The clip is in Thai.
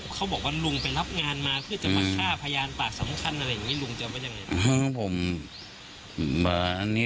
เขาบอกว่าลุงไปรับงานมาเพื่อจะมาฆ่าพยานปากสำคัญอะไรอย่างนี้